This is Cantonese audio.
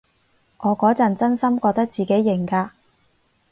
我嗰陣真心覺得自己型㗎